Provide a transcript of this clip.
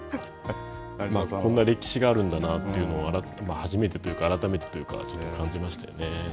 こんな歴史があるんだなというのを初めてというか、改めてというか感じましたね。